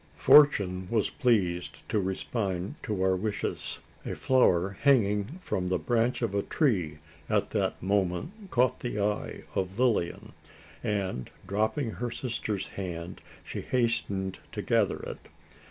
Fortune was pleased to respond to our wishes. A flower hanging from the branch of a tree at that moment caught the eye of Lilian; and, dropping her sister's hand, she hastened to gather it.